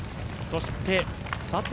そして佐藤